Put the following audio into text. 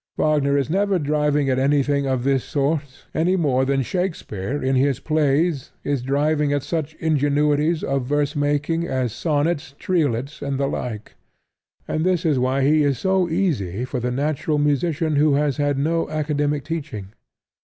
Wagner is never driving at anything of this sort any more than Shakespeare in his plays is driving at such ingenuities of verse making as sonnets, triolets, and the like. And this is why he is so easy for the natural musician who has had no academic teaching.